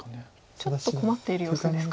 ちょっと困っている様子ですか？